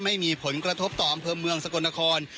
ไม่มีผลกระทบต่ออำเภอเมืองสกลนคร